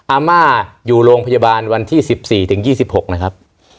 อาม่าอยู่โรงพยาบาลวันที่๑๔ถึง๒๖นะครับ